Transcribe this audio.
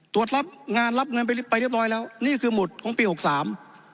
ตรวจรับงานรับเงินไปไปเรียบร้อยแล้วนี่คือหมุดของปีหกสาม